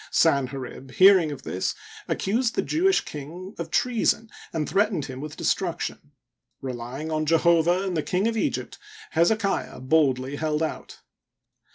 Sanherib. hearing of this, accused the Jewish king of treason and threatened him with de struction. Reljring on Jehovah and the King of Egypt, Hezekiah boldly held out.